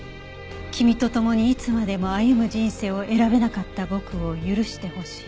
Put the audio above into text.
「君とともにいつまでも歩む人生を選べなかった僕を許して欲しい」